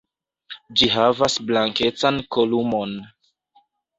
Ĝi havas blankecan kolumon.